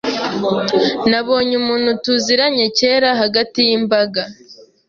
Nabonye umuntu tuziranye kera hagati yimbaga.